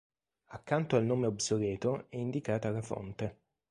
Accanto al nome obsoleto è indicata la fonte.